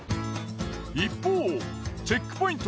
一方チェックポイント